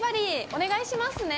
お願いしますね。